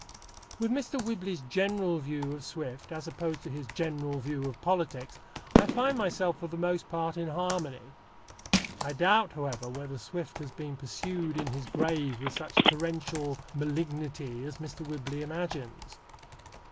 With Mr. Whibley's general view of Swift as opposed to his general view of politics, I find myself for the most part in harmony. I doubt, however, whether Swift has been pursued in his grave with such torrential malignity as Mr. Whibley imagines.